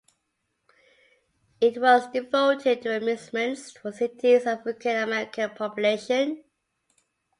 It was devoted to amusements for the city's African American population.